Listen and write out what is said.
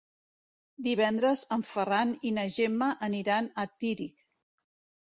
Divendres en Ferran i na Gemma aniran a Tírig.